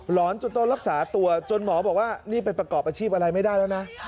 อนจนต้องรักษาตัวจนหมอบอกว่านี่ไปประกอบอาชีพอะไรไม่ได้แล้วนะ